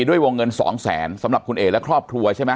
ด้วยวงเงิน๒๐๐๐๐๐บาทสำหรับคุณเอกและครอบครัวใช่มั้ย